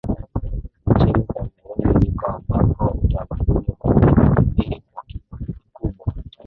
Nchini Kameruni ndiko ambako utamaduni huu umekithiri kwa kiasi kikubwa